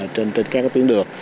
trên các tuyến đường